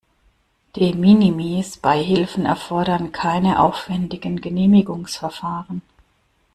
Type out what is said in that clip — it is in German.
De-minimis-Beihilfen erfordern keine aufwändigen Genehmigungsverfahren.